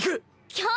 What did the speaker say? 今日！